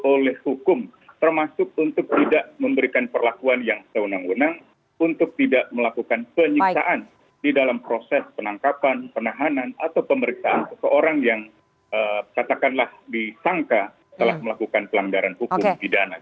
oleh hukum termasuk untuk tidak memberikan perlakuan yang sewenang wenang untuk tidak melakukan penyiksaan di dalam proses penangkapan penahanan atau pemeriksaan seseorang yang katakanlah disangka telah melakukan pelanggaran hukum pidana